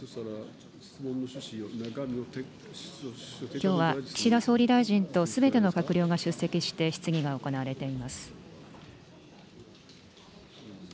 きょうは岸田総理大臣とすべての閣僚が出席して質疑が行われています。